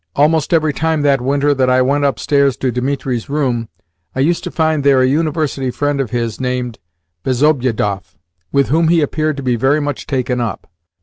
Almost every time that winter that I went upstairs to Dimitri's room, I used to find there a University friend of his named Bezobiedoff, with whom he appeared to be very much taken up.